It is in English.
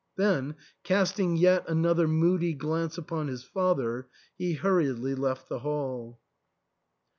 Then, casting yet another moody glance upon his father, he hurriedly left the hall.